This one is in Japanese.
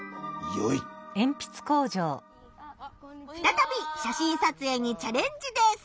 ふたたび写真撮影にチャレンジです！